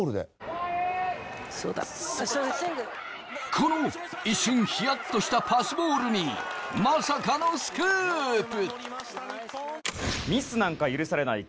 この一瞬ヒヤッとしたパスボールにまさかのスクープ！